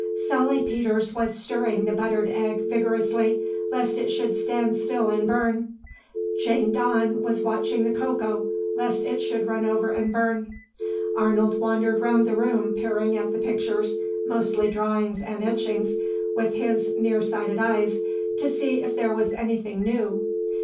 Sally Peters was stirring the buttered egg vigorously, lest it should stand still and burn. Jane Dawn was watching the cocoa, lest it should run over and burn. Arnold wandered round the room peering at the pictures mostly drawings and etchings with his near sighted eyes, to see if there was anything new.